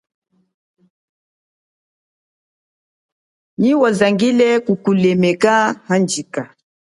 Nyi wazangile kukulemeka, handjika.